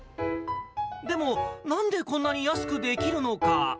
でも、なんでこんなに安くできるのか。